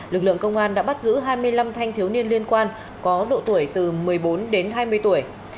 lực lượng công an đã bắt giữ hai mươi năm thanh thiếu niên liên quan có độ tuổi từ một mươi bốn đến hai mươi tuổi